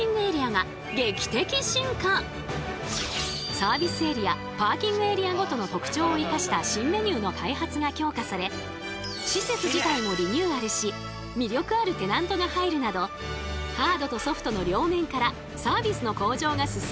サービスエリアパーキングエリアごとの特徴を生かした施設自体もリニューアルし魅力あるテナントが入るなどハードとソフトの両面からサービスの向上が進んだのです。